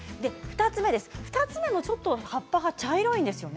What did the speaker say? ２つ目も葉っぱが茶色いです。